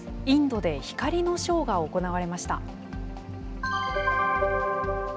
インドで光のショーが行われました。